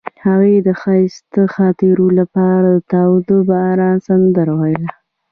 هغې د ښایسته خاطرو لپاره د تاوده باران سندره ویله.